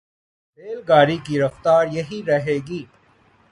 بیل گاڑی کی رفتار یہی رہے گی۔